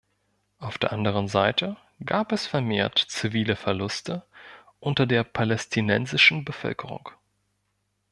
Auf der anderen Seite gab es vermehrt zivile Verluste unter der palästinensischen Bevölkerung.